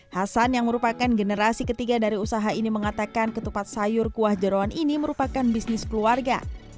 hasan yang merupakan generasi ketiga dari usaha ini mengatakan ketupat sayur kuah jerawan ini merupakan bisnis keluarga